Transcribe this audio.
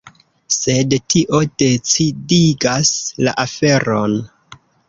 Sed tio decidigas la aferon.